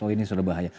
oh ini sudah bahaya